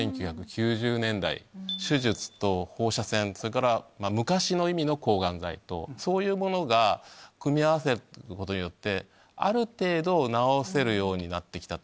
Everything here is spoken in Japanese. １９９０年代手術と放射線それから昔の意味の抗ガン剤とそういうものが組み合わせることによってある程度治せるようになって来た。